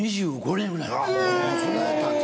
２５年ぐらい。